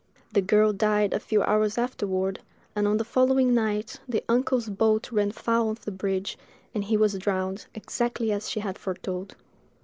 The girl died a few hours afterward; and, on the following night, the uncle's boat ran foul of the bridge, and he was drowned, exactly as she had foretold.